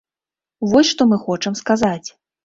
Вось што мы хочам сказаць.